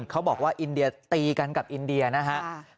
เขาบอกว่าอินเดียตีกันกับอินเดียนะครับ